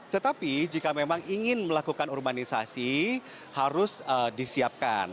tetapi jika memang ingin melakukan urbanisasi harus disiapkan